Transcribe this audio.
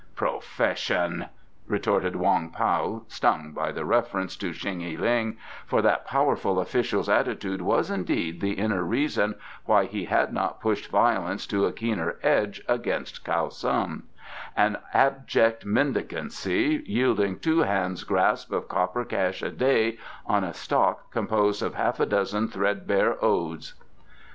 "Profession!" retorted Wong Pao, stung by the reference to Shen y ling, for that powerful official's attitude was indeed the inner reason why he had not pushed violence to a keener edge against Kiau Sun, "an abject mendicancy, yielding two hands' grasp of copper cash a day on a stock composed of half a dozen threadbare odes."